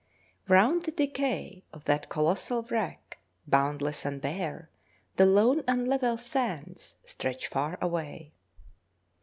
Round the decay Of that colossal wreck; boundless and bare _The lone and level sands stretch far away.